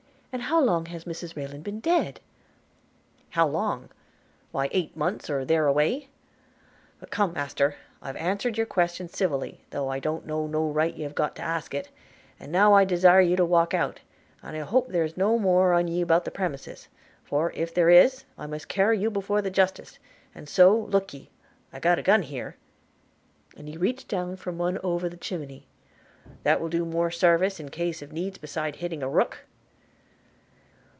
and how long has Mrs Rayland been dead?' 'How long! Why eight months or there away – But, come, master, I've answered your question civilly, thought I don't know no right you have got to ask it, and now I desire you to walk out, and I hope there's no more on ye about the premises; for, if there is, I must carry you before the Justice – and so, look'ye, I've got a gun here' (and he reached down one from over the chimney) 'that will do more sarvis in case of need besides hitting a rook.'